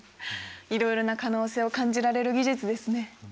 いろいろな可能性を感じられる技術ですね。